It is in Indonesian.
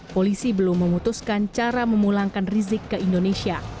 polisi belum memutuskan cara memulangkan rizik ke indonesia